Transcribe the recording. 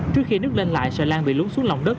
trước khi nước lên lại xà lan bị lún xuống lòng đất